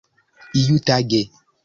iutage